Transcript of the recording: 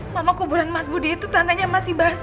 mama kuburan mas budi itu tandanya masih basah